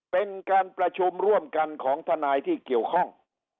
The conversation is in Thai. เป็นการประชุมร่วมกันของทนายที่เกี่ยวข้อง